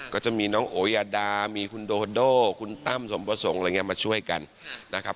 ก็จะมีน้องโอยาดามีคุณโดโดคุณตั้มสมประสงค์อะไรอย่างนี้มาช่วยกันนะครับ